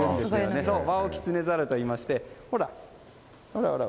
ワオキツネザルといいましてほら、ほらほら。